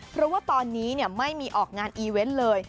เพราะว่าตอนนี้ไม่มีออกงานอีเวนต์เลย